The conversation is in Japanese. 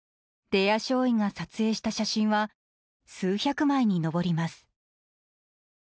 出谷少尉が撮影した写真は数百枚に上ります。